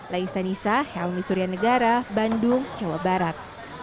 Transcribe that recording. laisa nisa helmi surya negara bandung jawa barat